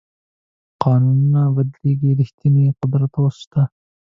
قانونونه بدلېږي ریښتینی قدرت اوس شته.